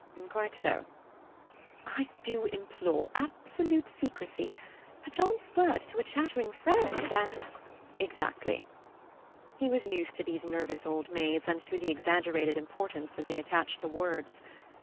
"Quite so." "I do implore absolute secrecy. A chance word to a chattering friend, and—" "Exactly." He was used to these nervous old maids and to the exaggerated importance that they attach to words.